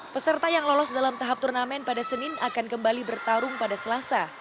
peserta yang lolos dalam tahap turnamen pada senin akan kembali bertarung pada selasa